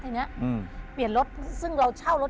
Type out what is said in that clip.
ทีนี้เปลี่ยนรถซึ่งเราเช่ารถ